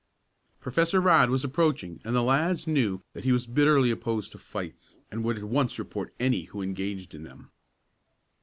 Professor Rodd was approaching and the lads well knew that he was bitterly opposed to fights, and would at once report any who engaged in them.